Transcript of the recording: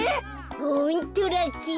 ホントラッキー。